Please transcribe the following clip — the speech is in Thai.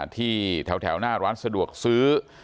ที่แถวหน้าร้านสะดวกซื้อ